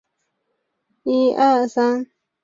医院官网